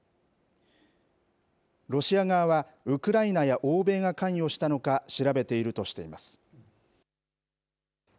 ロシア側は、ウクライナや欧米が関与したのか調べているとしています。